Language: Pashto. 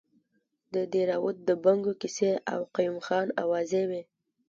د دیراوت د بنګو کیسې او قیوم خان اوازې وې.